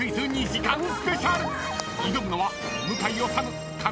［挑むのは］